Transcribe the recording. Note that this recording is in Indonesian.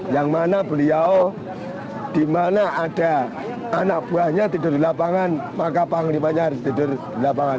yang mana beliau di mana ada anak buahnya tidur di lapangan maka panglimanya harus tidur di lapangan